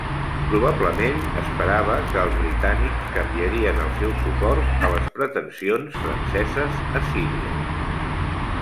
Probablement esperava que els britànics canviarien el seu suport a les pretensions franceses a Síria.